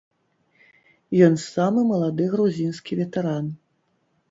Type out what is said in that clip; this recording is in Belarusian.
Ён самы малады грузінскі ветэран.